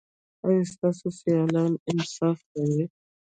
ایا ستاسو سیالان انصاف کوي؟